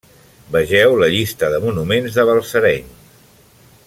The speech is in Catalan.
Vegeu la llista de monuments de Balsareny.